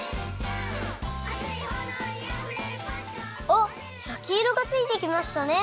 おっやきいろがついてきましたね。